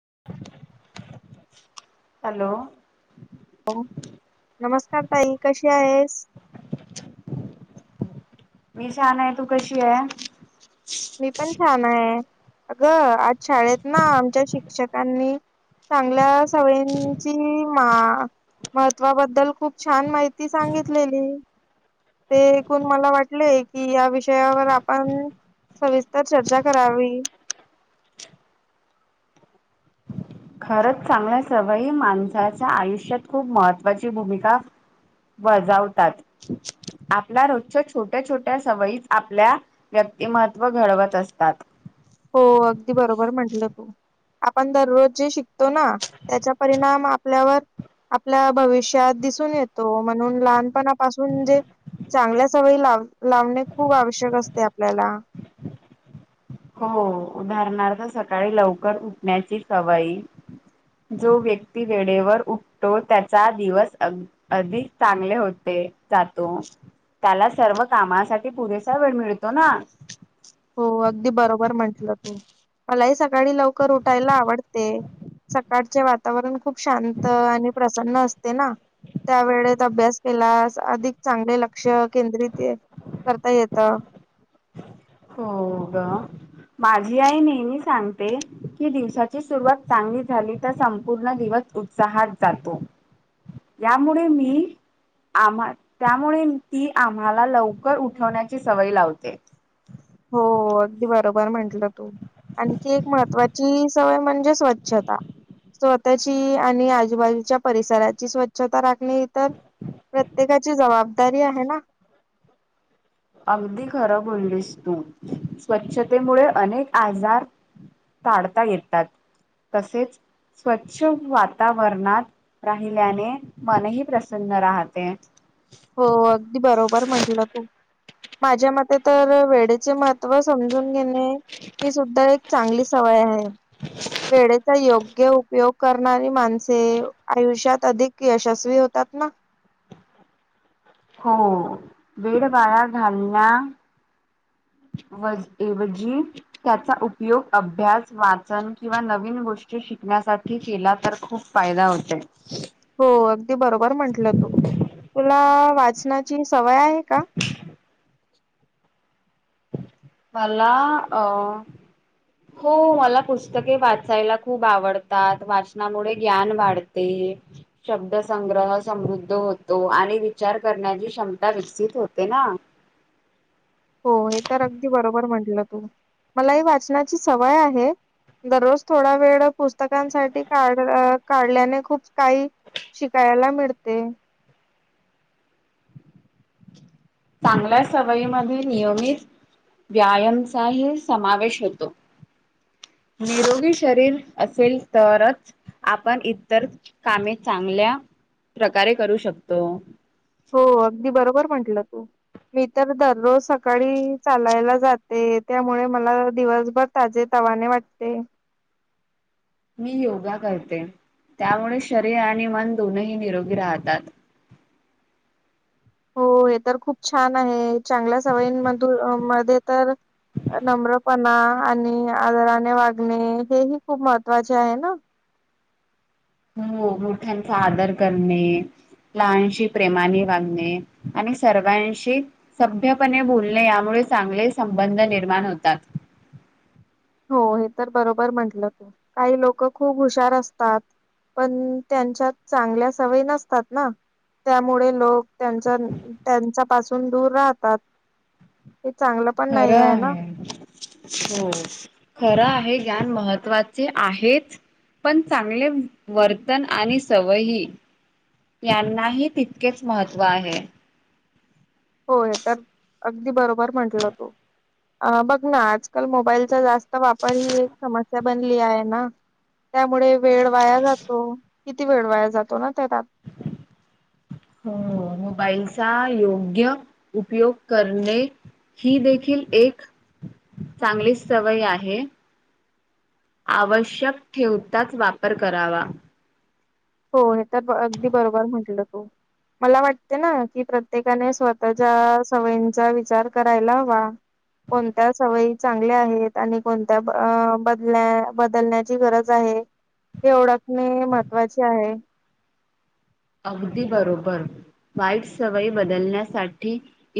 [inaudible] Hello. ओ, नमस्कार ताई कशी आहेस? मी छान आहे तू कशी हाय? मी पण छान आहे अगं आज शाळेत ना आमच्या शिक्षकांनी चांगल्या सवयींची मा महत्त्वाबद्दल खूप छान माहिती सांगितलेली. ते ऐकून मला वाटले की या विषयावर आपण सविस्तर चर्चा करावी. खरंच चांगल्या सवयी माणसाच्या आयुष्यात खूप महत्त्वाची भूमिका बजावतात. आपल्या रोजच्या छोट्या छोट्या सवयीच आपल्या व्यक्तिमत्त्व घडवत असतात. हो अगदी बरोबर म्हंटलं तू आपण दररोज जे शिक तो ना त्याचा परिणाम आपल्यावर आपल्या भविष्यात दिसून येतो म्हणून लहानपणापासून जे चांगल्या सवयी लाव लावणे खूप आवश्यक असते आपल्याला. हो उदाहरणार्थ सकाळी लवकर उठण्याची सवयी. जो व्यक्ती वेळेवर उठतो त्याचा दिवस अधिक चांगले होते. ते जातो, त्याला सर्व कामासाठी पुरेसा वेळ मिळतो ना. हो अगदी बरोबर म्हंटलं तू, मलाही सकाळी लवकर उठायला आवडते. सकाळचे वातावरण खूप शांत आणि प्रसन्न अस तेना, त्या वेळेत अभ्यास केलास अधिक चांगले लक्ष केंद्रित करता येत. हो ग. माझी आई नेहमी सांगते की दिवसाची सुरुवात चांगली झाली तर संपूर्ण दिवस उत्साहात जातो, यामुळे मी आम्हा त्यामुळे ती आम्हाला लवकर उठवण्याची सवय लावते. हो अगदी बरोबर म्हंटलं तू. आणखी एक महत्वाची सवय म्हणजे स्वच्छता. स्वतःची आणि आजूबाजूच्या परिसराची स्वच्छता राखणे ही तर प्रत्येकाची जबाबदारी आहे ना. अगदी खरं बोलीस तू स्वच्छतेमुळे अनेक आजार टाडता येतात, तसेच स्वच्छ वातावरणात. राहिल्याने मनही प्रसन्न राहते. हो अगदी बरोबर म्हंटलं तू. माझ्या मते तर वेडेचे महत्त्व समजून घेणे हि सुद्धा एक चांगली सवय आहे. वेळेचा योग्य उपयोग करणारी माणसे आयुष्यात अधिक यशस्वी होत तत ना हो वेड वाया घालण्या ऐवजी त्याचा उपयोग अभ्यास वाचन किंवा नवीन गोष्टी शिकण्यासाठी केला तर खूप फायदा होतय. हो अगदी बरोबर म्हंटलं, तू तुला वाचनाची सवय आहे का? मला अं हो मला पुस्तके वाचायला खूप आवडतात. वाचनामुळे ज्ञान वाढते. शब्द संंग्रह समृद्ध होतो. आणि विचार करण्याची क्षमता विकसित होते. [unintelligible] ना [inaudible] हो हे तर अगदी बरोबर म्हंटलं तू. मला हि वाचनाची सवय आहे. दररोज थोडा वेळ पुस्तकांसाठी काढ काढल्याने खूप काही शिकायला मिळते. चांगल्या सवयीमध्ये नियमित व्यायामचाही समावेश होतो. [inaudible] निरोगी शरीर असेल तरच आपण इतर कामे चांगल्या प्रकारे करू शकतो. हो अगदी बरोबर म्हंटलं तू. मी तर दररोज सकाळी चालायला जाते. त्यामुळे मला दिवसभर ताजेत वाने वाटते. मी योगा करते त्यामुळे शरीर आणि मन दोनही निरोगी राहतात. [inaudible] हो हे तर खूप छान आहे. चांगल्या सवयींमध मध्ये तर नम्रपणा आणि आदराने वागणे हे हि खूप महत्त्वाचे आहे ना? हो मोठ्यांचा आदर करणे. लहानशी प्रेमाने वागणे, आणि सर्वांशी सभ्यपणे बोलणे, यामुळे चांगले संबंध निर्माण होतात. [inaudible] हो हे तर बरोबर म्हंटलं तू काही लोक खूप हुशार असतात. पण त्यांच्यात चांगल्या सवयी नसतात ना. त्यामुळे लोक त्यांचा त्यांच्या पाासून दूर राहतात. हे चांगलं पण नाही आहे ना? हो खरं आहे ज्ञान महत्त्वाचे आहेच. पण चांगले वर्तन आणि सवयी यांनाही तितकेच महत्त्व आहे. होय तर अगदी बरोबर म्हटल तो. अं बघ ना आजकाल मोबाईलचा जास्त वापर ही एक समस्या बनली आहे ना? त्यामुळे वेळ वाया जातो. किती वेळ वाया जातो ना त्या त्यात? हो मोबाईलचा योग्य उपयोग करणे ही देखील एक चांगलीच सवय आहे. आवश्यक ठेवताच वापर करावा. हो हे तर अगदी बरोबर म्हटलं तू. मला वाटते ना कि प्रत्येकाने स्वतःच्या सवयींचा विचार करायला हवा. कोणत्या सवयी चांगल्या आहेत आणि कोणत्या बद बदलण्याची गरज आहे. हे ओडखणे महत्वाचे आहे. अगदी बरोबर. वाईट सवयी बदलण्यासाठी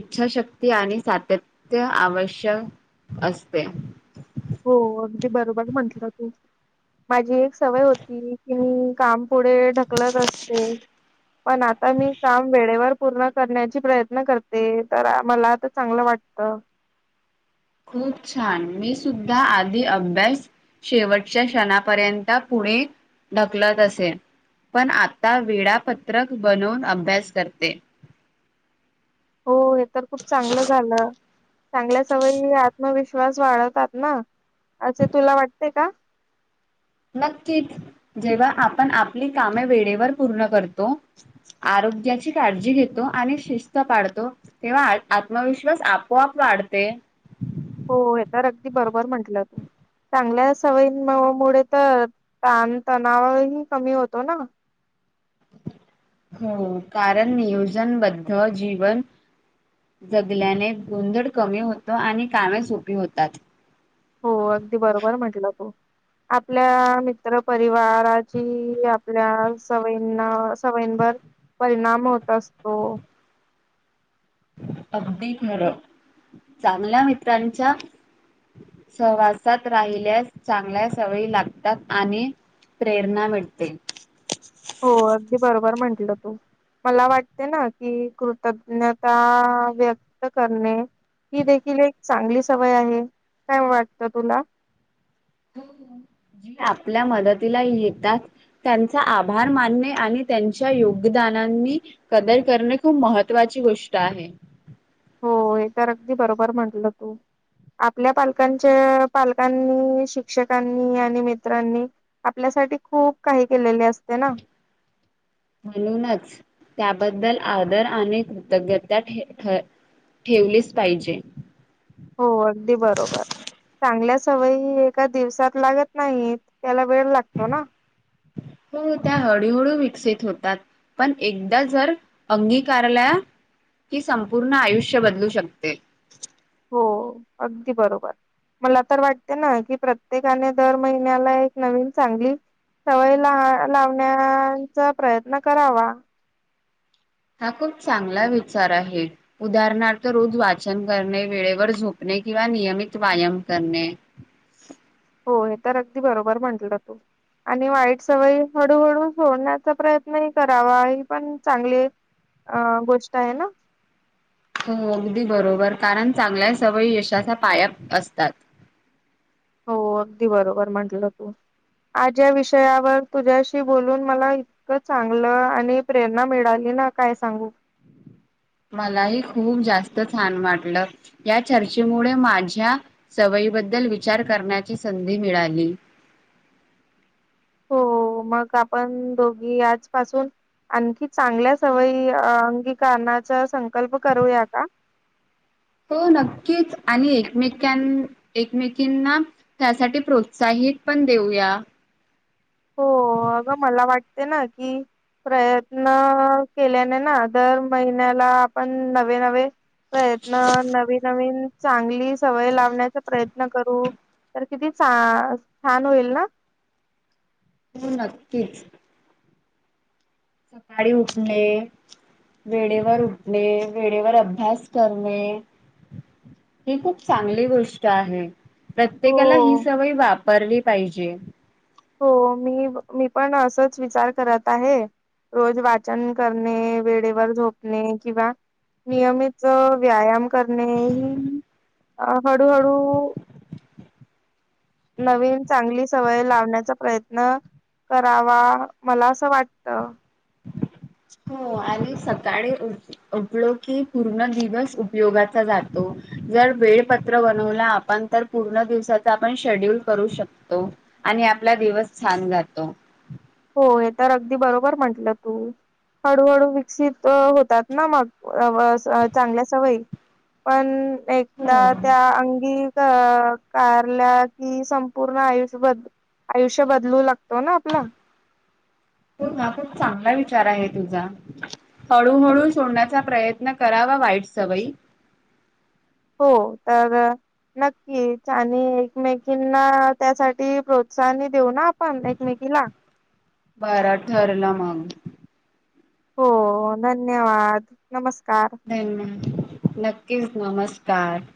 इच्छाशक्ती आणि सातत्य आवश्यक असते हो अगदी बरोबर म्हंटलं तू माझी एक सवय होती की मी काम पुढे ढकलत असते पण आता मी काम वेळेवर पूर्ण करण्याचा प्रयत्न करते तर मला तर चांगलं वाटत खूप छान मी सुद्धा आधी अभ्यास शेवटच्या क्षणापर्यंत पुढे ढकलत असे पण आता वेळापत्रक बनवून अभ्यास करते हो हे तर खूप चांगलं झालं चांगल्या सवयी आत्मविश्वास वाढवतात ना असे तुला वाटते का नक्कीच जेव्हा आपण आपली कामे वेळेवर पूर्ण करतो आरोग्याची काळजी घेतो आणि शिस्त पाळतो तेव्हा आत्मविश्वास आपोआप वाढते हो हे तर अगदी बरोबर म्हंटलं तू चांगल्या सवयीं मुळे ताणतणाव ही कमी होतो ना [unintelligible] हो कारण नियोजनबद्ध जीवन जगल्याने गोंधळ कमी होतो आणि कामे सोपी होतात हो अगदी बरोबर म्हटलं तू आपल्या मित्र परिवाराची आपल्या सवयीनां सवयंवर परिणाम होत असतो अगदी खरं चांगल्या मित्रांच्या सहवासात राहिल्यास चांगल्या सवयी लागतात आणि प्रेरणा मिळते. हो अगदी बरोबर म्हंटलं तू मला वाटते ना कि कृतज्ञता व्यक्त करणे ही देखील एक चांगली सवय आहे काय वाटत तुला [inaudible] जी आपल्या मदतीला येतात त्यांचे आभार मानणे आणि त्यांच्या योग्य योगदानांनी कदर करणे खूप महत्त्वाची गोष्ट आहे हो हे तर अगदी बरोबर म्हटलं तू आपल्या पालकांच्या पालकांनी शिक्षकांनी आणि मित्रांनी आपल्या साठी खूप काही केलेली असते ना म्हणूनच त्याबद्दल आदर आणि कृतज्ञता ठ ठेवलेच पाहिजे हो अगदी बरोबर चांगल्याच सवयी एका दिवसात लागत नाहीत त्याला वेळ लागतो ना हो त्या हळूहळू विकसीत होतात पण एकदा जर अंगीकारला ही संपूर्ण आयुष्य बदलू शकते हो अगदी बरोबर मला तर वाटते ना कि प्रत्येकाने दर महिन्याला एक नवीन चांगली सवय ला लावण्याचा प्रयत्न करावा हा खूप चांगला विचार आहे उदारणार्थ रोज वाचन करणे वेळेवर झोपणे किंवा नियमित व्यायाम करणे [unintelligible] हो हे तर अगदी बरोबर म्हंटलं तू आणि वाईट सवय हळूहळू सोडण्याचा प्रयत्नही करावा ही पण चांगली अं गोष्ट आहे ना हो अगदी बरोबर कारण चांगल्या सवय यशाचा पायाच असतात हो अगदी बरोबर म्हटलं तू. आज ह्या विषयावर तुझ्याशी बोलून मला इतकं चांगलं आणि प्रेरणा मिळाली. काय सांगू मलाही खूप जास्त छान वाटलं, या चर्चेमुळे माझ्या सवयी. बद्दल विचार करण्याची संधी मिळाली. हो मग आपण दोघी आजपासून, आणखी चांगल्या सवयी अंगीकरणाचा संकल्प करूया का. [unintelligible] हो नक्कीच आणि एकमेकां एकमेकीना त्यासाठी प्रोत्साहित, पण देऊया. हो अगं मला वाटते ना की, प्रयत्न केल्याने ना दर महिन्याला आपण नवे नवे प्रयत्न नवीन नवीन चांगली सवय लावण्याचा प्रयत्न करू तर किती छान होईल ना. त नक्कीच. सकाळी उठणे. वेळेवर उठणे वेळेवर अभ्यास करणे. ही खूप चांगली गोष्ट आहे. प्रत्येकाला ही हो. सवय वापरली पाहिजे. हो मी मी पण असंच विचार करत आहे. रोज वाचन करणे वेळेवर झोपणे किंवा नियमित व्यायाम करणे ह अ हळूहळू नवीन चांगली सवय लावण्याचा प्रयत्न. करावा मला असं वाटत हो आणि सकाळी उठलो की पूर्ण दिवस उपयोगाचा जातो. जर वेळपत्र बनवला आपण तर पूर्ण दिवसाचा आपण शेड्यूल करू शकतो. आणि आपला दिवस छान जातो. हो हे तर अगदी बरोबर म्हंटलं तू. हळूहळू विकसित होतात ना मग चांगल्या सवयी. पण हो एकदा त्या अंगी साकारल्या कि संपूर्ण आयुष्यबद. आयुष्य बदलू लागतो ना आपला. हो हा खूप चांगला विचार आहे तुझा. हळूहळू सोडण्याचा प्रयत्न करावा वाईट सवयी हो तर. नक्कीच आणि एकमेकीना त्यासाठी प्रोत्साहन देऊ ना आपण एकमेकी पिला बर ठरल मग हो धन्यवाद नमस् धन्यवा नक्कीच नमस्कार.